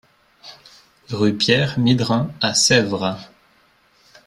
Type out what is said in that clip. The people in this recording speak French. Rue Pierre Midrin à Sèvres